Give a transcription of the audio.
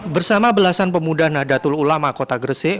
bersama belasan pemuda nadatul ulama kota gresik